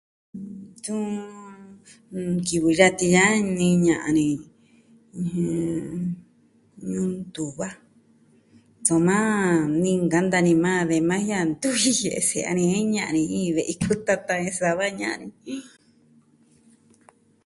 Suu, kivɨ yatin ya'a ni ña'an ni, Ñuu Ntuva, soma ni nkanta ni majan de maa ntuji jie'e se'ya ni jen ña'an ni ve'i kutatan jen sa va ña'an ni.